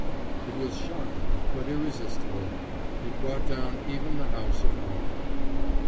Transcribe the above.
It was shocking, but irresistible. It brought down even the house of mourning.